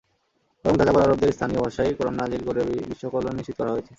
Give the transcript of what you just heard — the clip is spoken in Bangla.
বরং যাযাবর আরবদের স্থানীয় ভাষায় কোরআন নাজিল করে বিশ্বকল্যাণ নিশ্চিত করা হয়েছে।